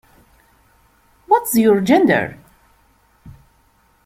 What is your gender?